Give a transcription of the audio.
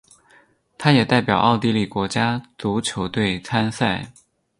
他也代表奥地利国家足球队参赛。